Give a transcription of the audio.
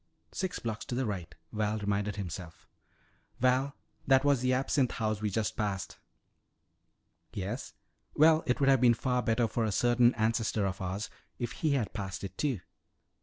Six blocks to the right," Val reminded himself. "Val, that was the Absinthe House we just passed!" "Yes? Well, it would have been better for a certain ancestor of ours if he had passed it, too.